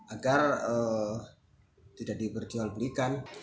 agar tidak diberjual belikan